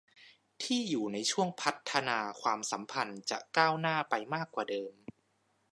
ที่อยู่ในช่วงพัฒนาความสัมพันธ์จะก้าวหน้าไปมากกว่าเดิม